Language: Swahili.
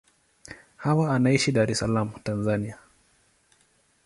Hawa anaishi Dar es Salaam, Tanzania.